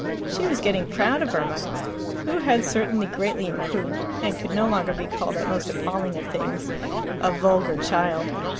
She was getting proud of Irma, who had certainly greatly improved, and could no longer be called that most appalling of things a vulgar child.